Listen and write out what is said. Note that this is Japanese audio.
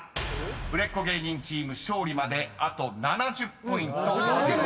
［売れっ子芸人チーム勝利まであと７０ポイント必要です］